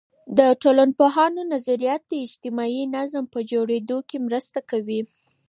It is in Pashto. د ټولنپوهانو نظریات د اجتماعي نظم په جوړیدو کي مرسته کوي.